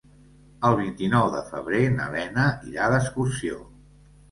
El vint-i-nou de febrer na Lena irà d'excursió.